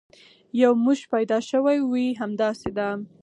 یو موش پیدا شوی وي، همداسې ده.